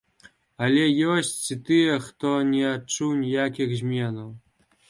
Але ёсць і тыя, хто не адчуў ніякіх зменаў.